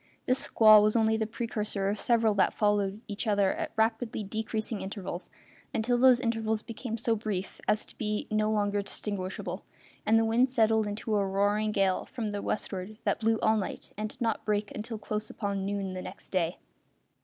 This squall was only the precursor of several that followed each other at rapidly decreasing intervals until those intervals became so brief as to be no longer distinguishable, and the wind settled into a roaring gale from the westward that blew all night and did not break until close upon noon next day.